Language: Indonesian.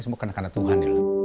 semua karena tuhan